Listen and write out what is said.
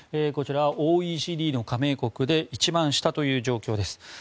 こちらはＯＥＣＤの加盟国で一番下という状況です。